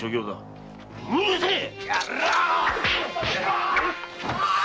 うるせえ！